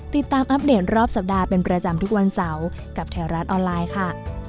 อัปเดตรอบสัปดาห์เป็นประจำทุกวันเสาร์กับแถวรัฐออนไลน์ค่ะ